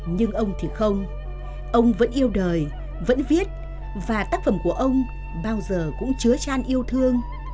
nhưng ông thì không ông vẫn yêu đời vẫn viết và tác phẩm của ông bao giờ cũng chứa tràn yêu thương